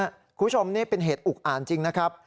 คุณผู้ชมนี่เป็นเหตุอุกอ่านจริงนะครับ